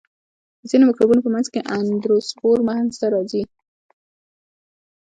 د ځینو مکروبونو په منځ کې اندوسپور منځته راځي.